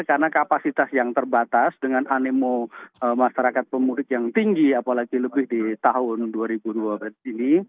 karena kapasitas yang terbatas dengan anemo masyarakat pemudik yang tinggi apalagi lebih di tahun dua ribu dua puluh ini